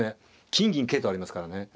金銀桂とありますからね。